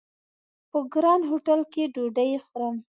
په ګران هوټل کې ډوډۍ خورم!